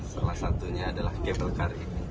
salah satunya adalah gepelkar ini